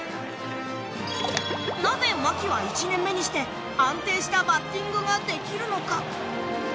なぜ牧は１年目にして安定したバッティングができるのか。